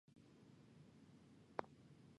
洛蒙诺索夫站是圣彼得堡地铁的一个车站。